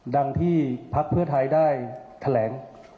ดังที่พักเพื่อไทยได้แถลง